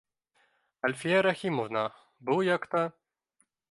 — Әлфиә Рәхимовна, был яҡта